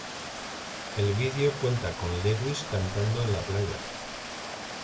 El video cuenta con Lewis cantando en la playa.